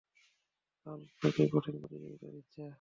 Hulk তাকে কঠিন প্রতিযোগিতা দিচ্ছে।